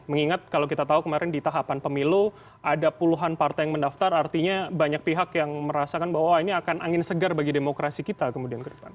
mengingat kalau kita tahu kemarin di tahapan pemilu ada puluhan partai yang mendaftar artinya banyak pihak yang merasakan bahwa ini akan angin segar bagi demokrasi kita kemudian ke depan